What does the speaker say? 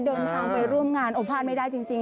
เดินทางไปร่วมงานโอภาษณไม่ได้จริง